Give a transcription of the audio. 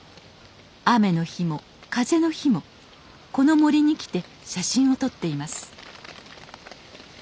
雨の日も風の日もこの森に来て写真を撮っています